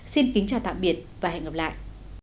xin kính chào tạm biệt và hẹn gặp lại